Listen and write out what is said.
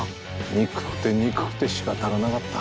憎くて憎くてしかたがなかった。